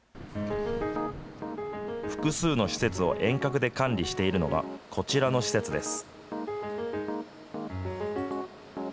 複数の施設を遠隔で管理しているのはこちらの施設です。